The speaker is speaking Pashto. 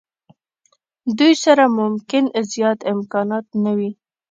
دوی سره ممکن زیات امکانات نه وي.